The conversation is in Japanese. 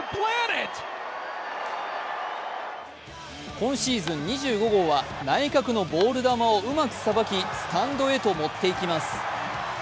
今シーズン２５号は内角のボール球をうまくさばきスタンドへと持っていきます。